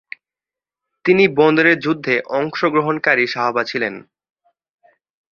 তিনি বদরের যুদ্ধে অংশগ্রহণকারী সাহাবা ছিলেন।